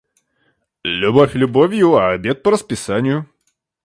Любовь любовью, а обед по расписанию.